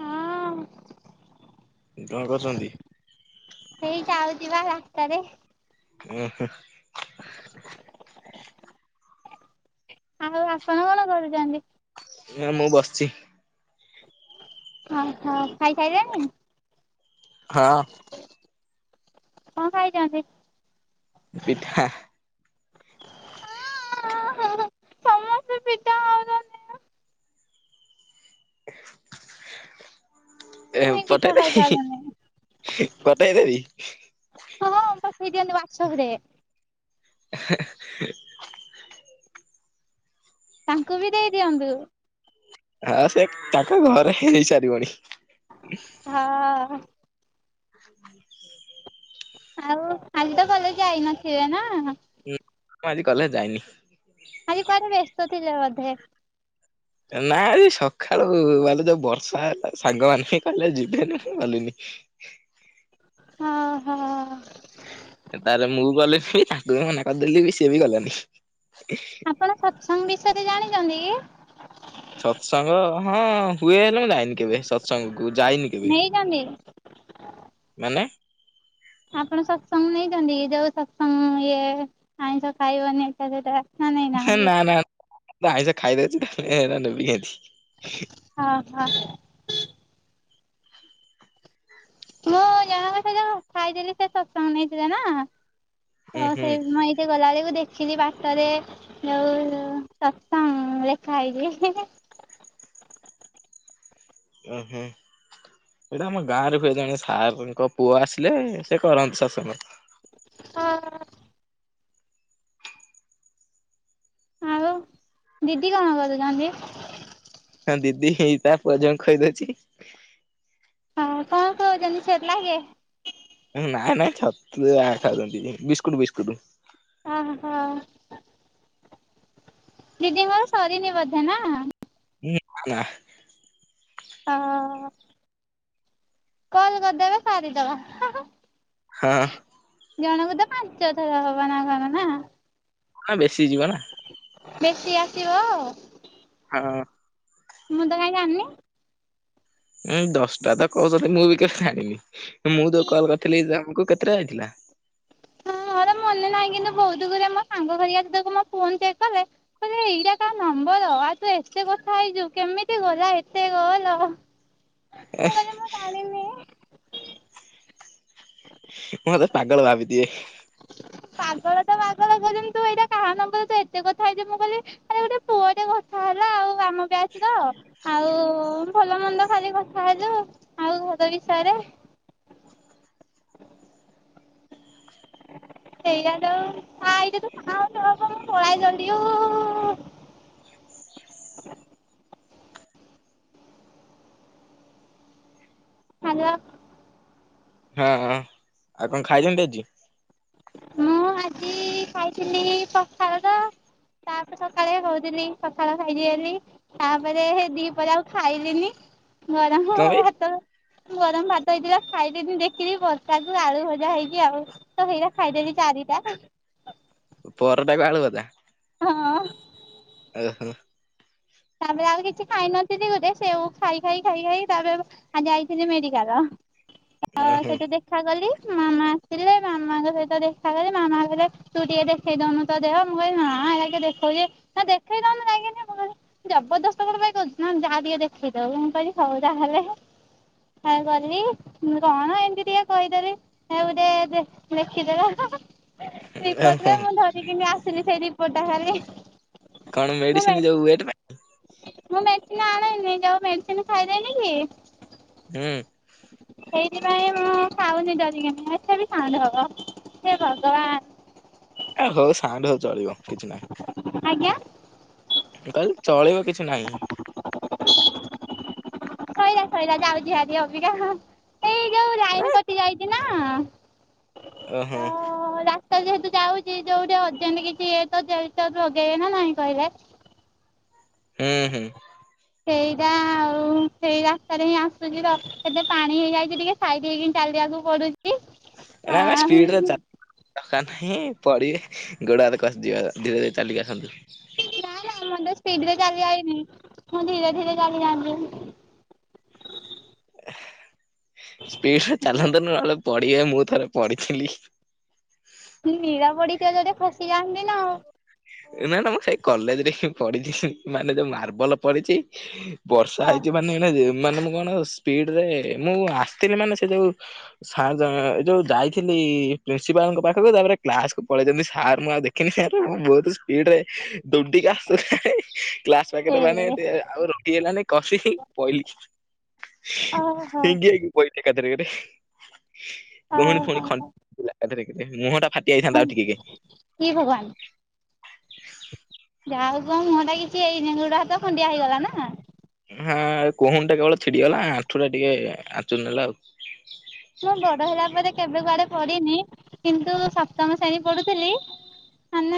ହଁ କଣ କରୁଛନ୍ତି? ହେଇ ଯାଉଥିବା ରାସ୍ତାରେ। ହୁଁ, ହୁଁ। ଆଉ ଆପଣ କଣ କରୁଛନ୍ତି? ହେ ମୁଁ ବସିଛି। ହଁ, ହଁ ଖାଇ ସାଇଲେଣି? ହଁ। କଣ ଖାଇଛନ୍ତି? ପିଠା। ହଁ, ହଁ ସମସ୍ତେ ପିଠା ଖାଉଛନ୍ତି ନା ମୁଁ ଏ ହିଁ ପିଠା ପଠେଇ ଦେଇ ଖାଇପାରୁନି। [unintelligible] ପଠେଇ ଦେବି। ହଁ ତୋ ବିରିଆନି ୱାଟସଆପ ରେ [unintelligible] [unintelligible] ତାଙ୍କୁ ବି ଦେଇ ଦିଅନ୍ତୁ। ହଁ ସେ ତାଙ୍କ ଘରେ ହେଇ ସାରିବଣି। ହଁ, ଅ। [unintelligible] ଆଉ ଖାଲି ତ କଲେ ଯାଇନଥିବେ ନା। ହୁଁ ମୁଁ ଆଜି କଲେ ଯାଇନି। ଆାଜି କଆଡେ ବ୍ୟସ୍ତ ଥିଲେ ବୋଧେ? ନା ଆଜି ସକାଳୁ ବାବୁ ଯୋଉ ବର୍ଷା ହେଲା ସାଙ୍ଗମାନେ [unintelligible] କଲେଜ୍ ଯିବେ ନି ହିଁ ଗଲିନି। ହଁ, ହ। ତାହେଲେ ମୁଁ ଗଲେନି ତାକୁ ବି ମନା କରିଦେଲି ବି ସିଏ ବି ଗଲାନି। ଆପଣ ସତସଙ୍ଗ ବିଷୟରେ ଜାଣିଛନ୍ତି କି? ସତସଙ୍ଗ ହଁ। ହୁଏ ହେଲେ ମୁଁ ଯାଇନି କେବେ ସତସଙ୍ଗ କୁ ଯାଇନି କେବେ ନେଇଛନ୍ତି? ମାନେ? ଆପଣ ସତ୍ସଙ୍ଗ ନେଇଛନ୍ତି କି ଯୋଉ ସତ୍ସଙ୍ଗ ଇଏ ଆଇଁଷ ଖାଇବନି ଏଟା ସେଟା? ନା ନା ମୁଁ ଆଇଁଷ ଖାଇଦେଇଛି [unintelligible] ନେବି କେମିତି। ଆ ହା। ମୁଁ ଜଣକ ସେ ଯୋଉ ଖାଇଦେଲି ସେ ସତ୍ସଙ୍ଗ ନେଇଥିଲେ ନା ଉଁ ତ ହୁଁ ସେ ସେ ଗଲାବେଳକୁ ଦେଖିଲି ବାଟରେ ଯଉ ସତ୍ସଙ୍ଗ ଲେଖା ହେଇଛି। ଉଁ ହୁଁ। ଏଇଟା ଆମ ଗାଁରେ ହୁଏ ଜଣେ ସାରଙ୍କ ପୁଅ ଆସିଲେ ସେ କରନ୍ତି ସତ୍ସଙ୍ଗ। ହଁ। ଆଉ ଦିଦି କଣ କରୁଚନ୍ତି? ହଁ ଦିଦି ହେଇ ତା ପୁଅ ଝିଅ ଙ୍କୁ ଖୋଇଦଉଚି। ହଁ କଣ ଖୋଉଛନ୍ତି ସେରେଲାକେ? ନାଇଁ ନାଇଁ ଛତୁଆ ଖାଉଚନ୍ତି ବିସ୍କୁଟ ବିସ୍କୁଟ। ଓହୋ ଦିଦିଙ୍କର ସରିନି ବୋଧେ ନା? ହୁଁ ନାଁ ନାଁ। ଓଃ। କଲ୍ କରିଦେବେ ସାରିଦବା। ହଁ। ଜଣଙ୍କୁ ତ ପାଞ୍ଚ ଥର ହବ ନା କଣ ନା? ହଁ ବେଶୀ ଯିବ ନା। ବେଶୀ ଆସିବ? ହଁ। ମୁଁ ତ କାଇଁ ଜାଣିନି। ଉଁ ଦଶଟା ତ କହୁଥିଲେ ମୁଁ ବି କେ ଜାଣିନି ମୁଁ ତ କଲ୍ କରିଥିଲି ତମୁକୁ କେତେଟା ଯାଇଥିଲା? ହଁ ଏରା ମନେ ନାହିଁ କିନ୍ତୁ ବହୁତ୍ ଗୁରେ ମୋ ସାଙ୍ଗ ଘରିକା ଯେତେକୁ ମୋ ଫୋନ୍ ଚେକ୍ କଲେ। କଇଲେ ଏଇଟା କାଆ ନମ୍ବର ଇଆ ସହ ଏତେ କଥା ହେଇଛୁ କେମିତି ଗଲା ଏତେ କଲ। ହଁ ଏ। ମତେ ପାଗଳ ଭାବିଥିବେ। ପାଗଳ ତ ପାଗଳ କହୁଚନ୍ତି ତୁ ଏଇଟା କାହା ନମ୍ୱର ତୁ ଏତେ କଥା ହେଇଚୁ ମୁଁ କହିଲି ଆରେ ଗୋଟେ ପୁଅ ଟେ କଥା ହେଲା ଆଉ ଆମ ବ୍ୟାଚ ର। ଆଉ ଭଲ ମନ୍ଦ ଖାଲି କଥା ହେଲୁ ଆଉ ଘର ବିଷୟରେ। [unintelligible] ସାଙ୍ଗ। ହଁ ଆଉ କଣ ଖାଇଛନ୍ତି ଆଜି? ମୁଁ ଆଜି ଖାଇଥିଲି ପଖାଳ ତ। ତାପରେ ସକାଳେ କହୁଥିଲି ପଖାଳ ଖାଇଛି ବୋଲି। ତାପରେ ହେଇ ଦି ପହରେ ଆଉ ଖାଇଲିନି ଗରମ କଣ ପାଇଁ? ତ ଗରମ ଭାତ ହେଇଥିଲା ଖାଇଦେଇଥିନି ଦେଖିକି ବର୍ଷାକୁୁ ଆଳୁ ଭଜା ହେଇଚି ଆଉ ତ ହେଇରା ଖାଇଦେଲି ଚାରିଟା। ପରଟା କୁ ଆଳୁ ଭଜା। ହଁ। ଓହୋ। ତାପରେ ଆଉ କିଛି ଖାଇ ନଥିଲି ଗୋଟେ ସେଉ ଖାଇ ଖାଇ ଖାଇ ଖାଇ ତାପରେ ଆଉ ଯାଇଥିଲି ମେଡିକାଲ ତ ଓହୋ ସେଇଠୁ ଦେ ଦେଖା କଲି ମାମା ଆସିଲେ ମାମାଙ୍କ ସହିତ ଦେଖା କଲି ମାମା ଗଲେ। ତୁ ଟିକେ ଦେଖେଇ ଦଉନୁ ତା ଦେହ ମୁଁ କହଲି ନାଁଇବା ଅଇଖା ଦେଖଉଛି ନା ଦେଖେଇ ଦଉନୁ ଯାଇକିନି ମୁଁ କହିଲି ଜବରଦସ୍ତ କଣ ପାଇଁ କହୁଛୁ ନା ଯାହାବି ହେଲେ ଦେଖେଇଦଉନୁ ମୁଁ କହିଲି ହଉ ଯାହେଲେ କଣ କରିବି କଣ ଏମିତି ଟିକେ କହିଦେଲି। ହଉଦେ ଦେ ମେଖିଦେଲ। ଓହୋ। ରିପୋର୍ଟରେ ମୁଁ ଧରିକିନି ଆସିଲି ସେଇ ରିପୋର୍ଟ ଟା ଖାଲି। କଣ ମୁଁ ମେଡିସିନ ଯୋଉ ୱାଏଟ୍ ନାଁ। ମୁଁ ମେଡିସିନ ଆଣେନି ଯୋଉ ମେଡିସିନ ଖାଇଦେଲି କି। ହୁଁ। ସେଇଥିପାଇଁ ମୁଁ ଖାଉନି ଡରିକିନ ଏତେ ବି ଖାଉନି ଭବ ହେ ଭଗବାନ। ଆ ହଉ ସାଙ୍ଗ ଚଳିବ କିଛି ନାହିଁ। ଆଜ୍ଞା। କାଲି ଚଳିବ କିଛି ନାହିଁ। ଶଇଲା ଶଇଲା ଯାଉଛି ଭାରି ଅବିକା ହାଁ। ଏଇ ଯୋଉ ଲାଇନ କଟି ଯାଇଛି ନାଁ। ଓ ହୋ ହ ରାସ୍ତା ଯେହେତୁ ଯାଉଛି ଯୋଉଠି ଅଜେଣ୍ଟ କିଛି ହେଇଥିବ ଗେଁଲିଟର ଲଗେଇବେ ନା ନାଇଁ କହିଲେ ହୁଁ ହୁଁ ସେଇଟା ଆଉ ହୁଁ ସେଇ ରାସ୍ତାରେ ହିଁ ଆସୁଛି ତ ଏତେ ପାଣି ହେଇଯାଇଛି ଟିକେ ସାଇଡ ହେଇକି ଚାଲିବାକୁ ପଡୁ [unintelligible] ସ୍ପୀଡରେ ଚା ଦକାର ନାହିଁ ପଡିବେ ଗୋଡ ହାତ ଖସିଯିବ ଧୀରେ ଧୀରେ ଚାଲିକି ଆସନ୍ତୁ। ନାଁ ନା ମୁଁ ତ ସ୍ପିଡ ରେ ଚାଲି ଆଇଲି, ମୁଁ ଧୀରେ ଧୀରେ ଚାଲି ଯାଆନ୍ତି। ସ୍ପିଡରେ ଯାଆନ୍ତି ଚାଲନ୍ତୁନି ନହେଲେ ପଢ଼ିବେ ମୁଁ ଥରେ ପଢିଥିଲି ନିରା [unintelligible] ଖସିଯାଆନ୍ତି ନା ଆଉ, ନା ନା ମୁଁ ସେଇ କଲେଜରେ ହିଁ ପଢିଛି ମାନେ ଯୋଉ ମାର୍ବଲ ପଢିଛି ବର୍ଷା ହେଇଛି ହଁ ମାନେ ଏ ମାନେ ମୁଁ କଣ ସ୍ପିଡରେ ମୁଁ ଆସ୍ ଥିଲି ମାନେ ସେ ଯୋଉ ସାର୍ ଏ ଯୋଉ ଯାଇଥିଲି ପ୍ରିନ୍ସିପାଲଙ୍କ ପାଖକୁ ତାପରେ କ୍ଲାସକୁୁ ପଳେଇଛନ୍ତି ସାର୍ ମୁଁ ଆଉ ଦେଖି [unintelligible] [unintelligible] ପାଖ ଏ ମାନେ ଆଉ ରହିହେଲା ନାହିଁ। କସି ପହିଲି। ଓହୋ ହିଙ୍ଗି ହୋଇକି ପାଇଲି ଏକାଥରେକେ କହୁଣୀ ଫାଉଣି ଓହୋ ଖ ମୁହଁ ଟା ଫାଟି ହଁ ଯାଇଥାନ୍ତା ଆଉ ଟିକେକେ। କି ଭବାନ। ଯାହା ହଉ କଣ ମୁହଁ ଟା କିଛି ହେଇନି ଗୋଡ଼ ହାତ ଖଣ୍ଡିଆ ହେଇଗଲା ନା। ହଁ କହୁଣୀ ଟା କେବଳ ଛିଡିଗଲା ଆଣ୍ଠୁ ଟା ଟିକେ ଆଚୁରି ନେଲା ଆଉ ମୁଁ ବଡ ହେଲା ପରେ କେବେ କୁଆଡେ ପଡିନି, କିନ୍ତୁ ସପ୍ତମ ଶ୍ରେଣୀ ପଢୁଥିଲି ମାନେ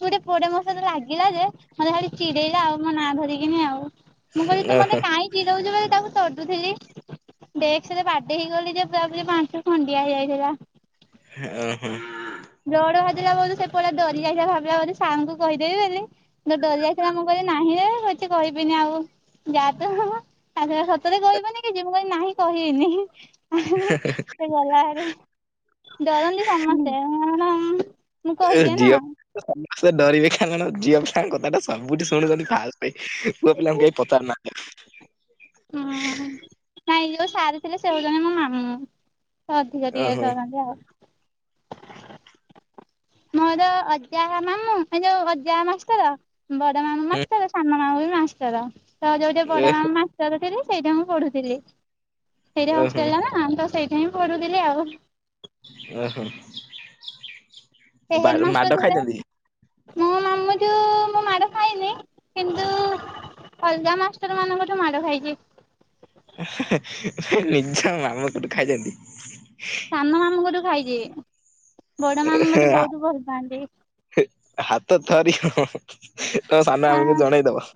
ଗୋଟେ ପୁଅ ଟେ ମୋ ସହିତ ଲାଗିଲା ଯେ ମତେ ଖାଲି ଚିଡେଇଲା ଆଉ ମୋ ନା ଧରିକିନି ଆଉ ମୁଁ କହିଲି ତୁ ଓହୋ ମତେ କାଇଁ ଚିଡଉଛୁ ବୋଲି ତାକୁ ତଡୁଥିଲି ଡେସ୍କ ରେ ବାଡ଼ ବାଡେଇ ହେଇଗଲି ଯେ ପୁରା ପୁରି ମୋ ଆଠୁ ଖଣ୍ଡିଆ ହେଇଯାଇଥିଲା। ହେ ଆ ହେ ବ୍ଲଡ ବାଜିଲା ବହୁତ ସେ ପୁଅ ଡରି ଯାଇଥିଲା ଭାବିଲା ବୋଧେ ସାର୍ ଙ୍କୁ କହିଦେବି ବୋଲି ଯଉ ଡରି ଯାଇଥିଲା ମୁଁ କହିଲି ନାହିଁ ରେ କଛି କହିବିନି ଆଉ ଯା ତୁ, [unintelligible] ସତରେ କହିବୁନି କିଛି ମୁଁ କହିଲି ନାହିଁ କହିବିନି। ସେ ଗଲାହରି ଡରନ୍ତି ସମସ୍ତେ କାରଣ ମୁଁ ଏ କହିଦିଏ ନା ଝିଅ ପିଲା ସମସ୍ତେ ଡରିବେ କାରଣ ଝିଅ ପିଲାଙ୍କ କଥାଟା ସବୁଠି ଶୁଣୁଛନ୍ତି ଫାଷ୍ଟେ ପୁଅ ପିଲାଙ୍କୁ କେହି ପଚାରୁ ନାହାନ୍ତି। ହୁଁ, ନାଇଁ ଯୋଉ ସାର୍ ଥିଲେ ସେ ହଉଛନ୍ତି ମୋ ମାମୁଁ ସେ ଅଧିକ ଟିକେ ଓହୋ ଡରାନ୍ତି ଆଉ ମୋର ଅଜା ମାମୁଁ ଏ ଯୋଉ ଅଜା ମାଷ୍ଟର। ବଡ ମାମୁଁ ମାଷ୍ଟର ସାନ ମାମୁଁ ବି ମାଷ୍ଟର, ତ ଯୋଉଠିି ହୁଁ ଏ ବଡ ମାମୁଁ ମା ଥିଲି ସେଇଠି ମୁଁ ପଢୁଥିଲି, ସେଇଠି ଓହୋ ହଷ୍ଟେଲ ଟା ନା ତ ସେଇଠି ହିଁ ପଢୁଥିଲି ଆଉ। ଓହୋ ସେ ବା ହେଡ ମାଷ୍ଟର ମାଡ ଥିଲେ ଖାଇଛନ୍ତି କି? ମୋ ମାମୁଁ ଠୁ ଠୁ ମୁଁ ମାଡ ଖାଇନି, କିନ୍ତୁ ଅଲଗା ମାଷ୍ଟର ମାନଙ୍କଠୁ ମାଡ ଖାଇଛି। ନିଜ ମାମୁଁ ଠୁ ଖାଇଛନ୍ତି। ସାନ ମାମୁଁଙ୍କ ଠୁ ଖାଇଛି, ବଡ ମାମୁଁ ମତେ ବହୁତ ଭଲ ପାଆନ୍ତି। ହାତ ଥରିବ ତମ ସାନ ହଁ ମାମୁଁଙ୍କୁ ଜଣେଇଦବ।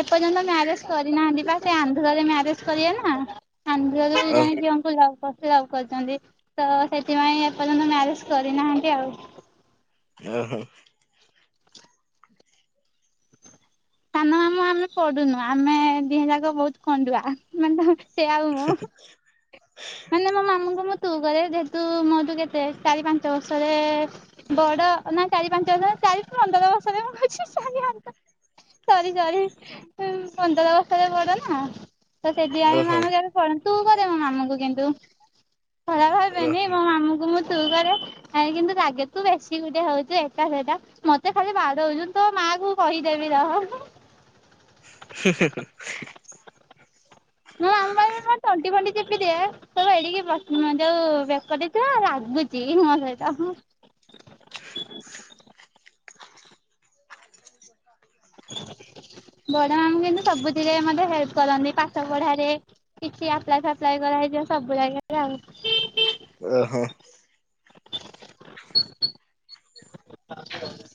ଏପର୍ଯ୍ୟନ୍ତ ମ୍ୟାରେଜ କରିନାହାନ୍ତି ବା ସେ ଆନ୍ଧ୍ରରେ ମ୍ୟାରେଜ କରିବେ ନା ଆନ୍ଧ୍ରରେ ଓହୋ ଝିଅଙ୍କୁ ଲଭ କରୁଥିଲେ ଲଭ କରିଛନ୍ତି ତ ସେଥିପାଇଁ ଏପର୍ଯ୍ୟନ୍ତ ମ୍ୟାରେଜ କରିନାହାନ୍ତି ଆଉ। ଓହୋ। ସାନ ମାମୁଁ ଆମେ ପଡୁନୁ ଆମେ ଦିହେ ଯାକ ବହୁତ କଣ୍ଡୁଆ ମାନେ ସିଏ ଆଉ ମୁଁ। ମାନେ ମୋ ମାମୁଙ୍କୁ ମୁଁ ତୁ କହେ ଯେହେତୁ ମୋ ଠୁ କେତେ ଚାରି ପାଞ୍ଚ ବର୍ଷରେ ବଡ ନା ଚାରି ପାଞ୍ଚ ବର୍ଷ ଚାରି ପନ୍ଦର ବର୍ଷରେ ମୁଁ କହୁଚି ଚାରି ପାଞ୍ଚ [inaudible] ସରି ସରି। ପନ୍ଦର ବର୍ଷରେ ବଡ ନା ତ ସେଦି ପାଇଁ ଓହୋ ଆମେ କେବେ ପଡ ତୁ କରେ ମୋ ମାମୁଁ ଙ୍କୁ କି ତୁ ଖରାପ ଭାବେନି ମୋ ମାମୁଁଙ୍କୁ ମୁଁ ତୁ କରେ। ଆଇ କିନ୍ତୁ ରାଗେ ତୁ ବେଶି ଗୁଟେ ହଉଛ ଏଇଟା ସେଟା। ମତେ ଖାଲି ବାଡଉଚୁ ତୋ ମାଆ କୁ କହିଦେବି ରହ। [inaudible] ମୋ ମାମୁଁ ପାଇଁ ମୁଁ ମ ତଣ୍ଟି ଫଣ୍ଟି ଚପିଦିଏ। କହିବ ଏଡିକି ବକ ଯୋଉ ବେକଟେ ଛୁଆ ଲାଗୁଛି ମୋ ସହିତ ବଡ ମାମୁଁ କିନ୍ତୁ ସବୁଥିରେ ମତେ ହେଲ୍ପ କରନ୍ତି ପାଠ ପଢ଼ାରେ। କିଛି ଆପ୍ଲାଏ ଫାପ୍ଲାଏ କରାହେଇଯିବ ସବୁ ଜାଗାରେ ଆଉ। ଅହୋ। [unintelligible]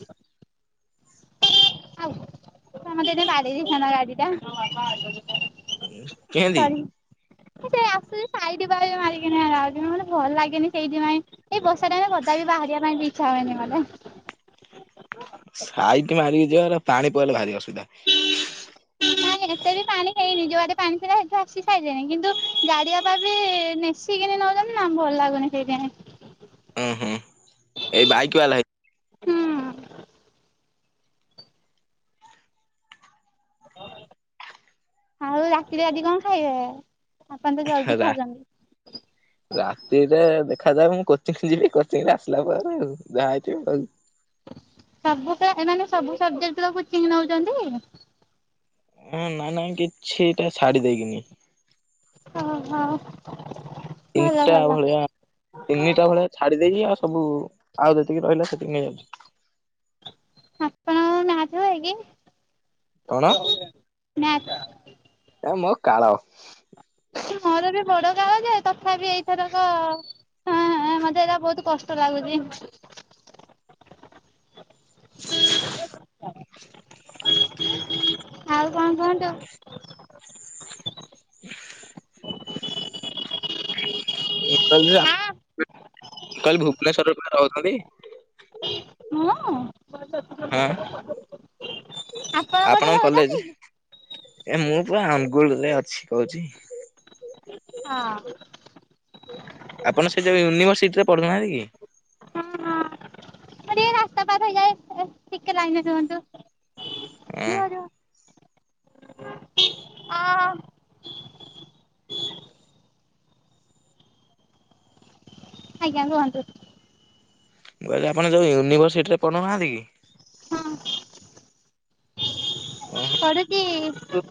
ଆଉ ମତେ ଏଇନା ବାଡେଇ ଦେଇଥାନ୍ତା ଗାଡ଼ିଟା। ଉଁ କେଇନ୍ତି। ସେ ଆସୁଛି ସାଇଟି ଫାଇଟି ମାରିକିନି ଆଉ ମତେ ଭଲ ଲାଗେନି ସେଇଥିପାଇଁ ଏ ବର୍ଷା ଟାଇମ ରେ ଗଦା ବି ବାହାରିବା ପାଇଁ ବି ଇଚ୍ଛା ହୁଏନି ମତେ। ସାଇଟି ମାରିକି ଯିବ ହେଲେ ପାଣି ପଇଲେ ଭାରି ଅସୁବିଧା। [unintelligible] ନାଇଁ ଏତେ ବି ପାଣି ହେଇନି ଯୋଉ ଆଡେ ପାଣି ଥିଲା ସେଠୁ ଆସି ସାଇଲିନି କିନ୍ତୁ ଗାଡି ଆବାବି ନି ସିକିିନି ନଉଛନ୍ତି ଆମକୁ ଭଲ ଲାଗୁନି ସେଥିପାଇଁ। ଉଁ ହୁଁ ଏଇ ବାଇକ ବାଲା ହେଇ ହୁଁ ଆଉ ରାତିରେ ଆଜି କଣ ଖାଇବା? ଆପଣ ତ ଜଲଦି ଖାଉଛନ୍ତି। [inaudible] ରାତିଟା ଦେଖାଯାଉ ମୁଁ କୋଚିଙ୍ଗ ଯିବି କୋଚିଙ୍ଗରୁ ଆସିଲା ପରେ ଆଉ ଯାହା ହେଇଥିବ ଆଉ। ସବୁତ ଏମାନେ ସବୁ ସବଜେକ୍ଟର କୋଚିଂ ନଉଛନ୍ତି? ହଁ ନାଇଁ ନାଇଁ କିଛିଟା ଛାଡ଼ି ଦେଇକିନି। ଓହୋ। ଭଲ ତିନଟା ଭଲ ଭଳିଆ ତିନିଟା ଭଳିଆ ଛାଡି ଦେଇକି ଆଉ ସବୁ ଆଉ ଯେତିକି ରହିଲା ସେତିକି ନେଇଯାଉଛି। ଆପଣର ନାଚ ହୁଏ କି? କଣ? ମ୍ୟାଥ ଏ ମୋ କାଳ। ମୋର ବି ବଡକାଳ ଯେ ତଥାପି ଏଇଥରକ ହଁ ହଁ ମତେ ଏଟା ବହୁତ କଷ୍ଟ ଲାଗୁଛି। [unintelligible] ଆଉ କଣ କୁହନ୍ତୁ? [unintelligible] ମୁଁ କହିଲି ଆଁ ଆପ କହିଲି ଭୁବନେଶ୍ଵରରେ ପା ରହୁଛନ୍ତି। ହଁ। ହଁ ଆପଣ କୋଉଠି ଆପଣଙ୍କ କଲେଜ ରହୁଛନ୍ତି କି? ଏ ମୁଁ ପା ଆମଗୁଳରେ ଅଛି କହୁଛି। ହଁ। ଆପଣ ସେ ଯୋଉ ୟୁନିଭରସିଟିରେ ପଢୁନାହାନ୍ତି କି? ହଁ ହଁ ମୁଁ ଟିକେ ରାସ୍ତା ପାର ହେଇଯାଏ, ଏ ଟିକେ ଲାଗନରେ ରୁହନ୍ତୁ। ହଁ ରୁହ ରୁହ ଆ ଆଜ୍ଞା କୁହନ୍ତୁ। ମୁଁ କହିଲି ଆପଣ ଯୋଉ ୟୁନିଭର୍ସିଟିରେ ପଢୁନାହାନ୍ତି କି? ହଁ। ପଢୁଛି। ଉଁ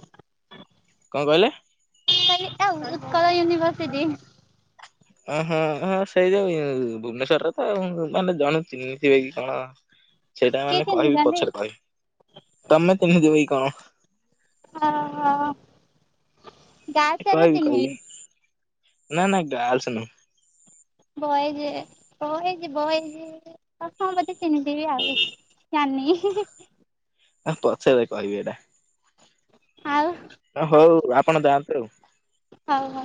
କଣ କହିଲେ? କହିଲି ଏ ଉତ୍କଳ ୟୁନିଭର୍ସିଟି। ଓ ହଁ ହଁ ସେଇ ଯୋଉ ଇ ଭୁବନେଶ୍ୱରରେ ତ ଆଉ ମାନେ ଜଣେ ଚିହ୍ନିଥିବେ କି କଣ ସେଇଟା କିଏ ମାନେ କହିବି ଚିହ୍ନିଛନ୍ତି? ପଛରେ କହିବି। ତମେ ଚିହ୍ନିଥିବ କି କଣ। ଓହୋ। ଗାର୍ଲସ ହେଲେ କହିବି କହିବି ଚିହ୍ନିବି ନା ନା ଗାର୍ଲସ୍ ନୁହଁ। ବଏଜେ ବଏଜେ ବଏଜେ। ପ୍ରଥମରୁ ବୋଧେ ଚିହ୍ନିଥିବି ଆଉ ଜାଣିନି। ଆଉ ପଛରେ କହିବି ଏଇଟା। ଆଉ। ହଉ ଆପଣ ଯାଆନ୍ତୁ ଆଉ। ହଉ ହଉ।